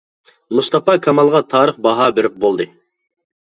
مۇستاپا كامالغا تارىخ باھا بېرىپ بولدى.